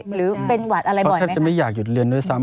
หรือเป็นหวัดอะไรบ่อยแทบจะไม่อยากหยุดเรียนด้วยซ้ำ